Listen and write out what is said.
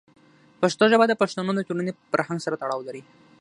پښتو ژبه د پښتنو د ټولنې فرهنګ سره تړاو لري.